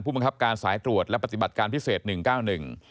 บังคับการสายตรวจและปฏิบัติการพิเศษหนึ่งเก้าหนึ่ง